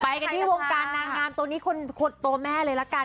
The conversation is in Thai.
กันที่วงการนางงามตัวนี้คนตัวแม่เลยละกัน